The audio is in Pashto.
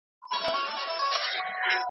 ملکیار په خپله سندره کې ښکلي مفاهیم ځای کړي دي.